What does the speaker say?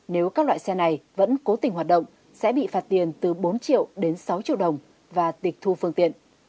nếu các loại xe này vẫn cố tình hoạt động sẽ bị phạt tiền từ bốn triệu đến sáu triệu đồng và tịch thu phương tiện